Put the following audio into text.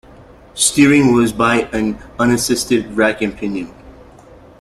Steering was by an unassisted rack and pinion.